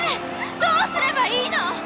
どうすればいいの！？